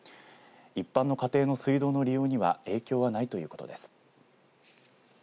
一般の家庭の水道の利用には影響はないということです。